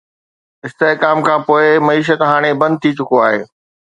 استحڪام کان پوء، معيشت هاڻي بند ٿي چڪو آهي